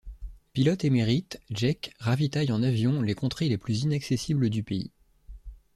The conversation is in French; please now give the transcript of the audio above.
Pilote émérite, Jake ravitaille en avion les contrées les plus inaccessibles du pays.